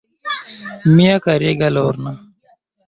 Mia karega Lorna.